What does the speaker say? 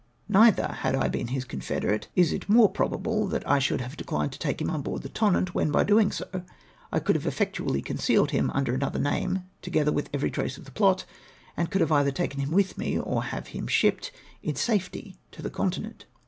Neither, had I been his confederate, is it more pro bable that I should have declined to take him on board the Tonnant, when, by so doing, I could have effectually concealed him under another name, together wdtli every trace of the plot, and coidd have either taken him Avitli me, or have shipped liim in safety to the Continent.